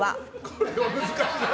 これは難しい。